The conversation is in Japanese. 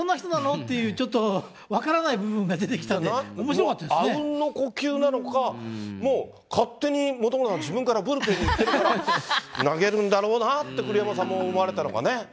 って、ちょっと分からない部分が出てきたんで、おもしろかったであうんの呼吸なのか、もう勝手に本村さん、自分からブルペンに行ってるから、投げるんだろうなって栗山さんも思われたのかね。